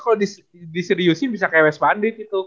kalau diseriusin bisa ke ws pandit